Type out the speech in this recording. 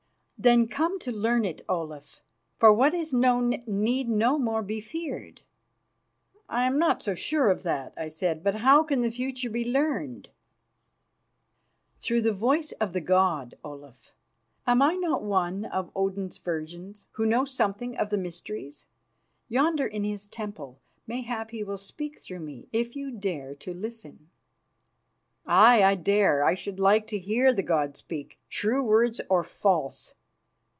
"Then come to learn it, Olaf, for what is known need no more be feared." "I am not so sure of that," I said. "But how can the future be learned?" "Through the voice of the god, Olaf. Am I not one of Odin's virgins, who know something of the mysteries? Yonder in his temple mayhap he will speak through me, if you dare to listen." "Aye, I dare. I should like to hear the god speak, true words or false."